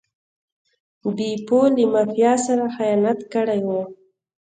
بیپو له مافیا سره خیانت کړی و.